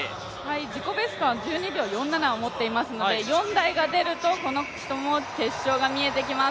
自己ベストは１２秒４７を持っていますので、４台が見えるとこの人も決勝が見えてきます。